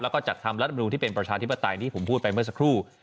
แล้วก็จัดทำรัฐมนุนที่เป็นประชาธิปไตยที่ผมพูดไปเมื่อสักครู่